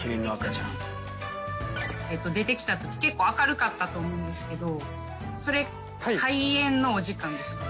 出てきたとき結構明るかったと思うんですけどそれ開園のお時間ですか？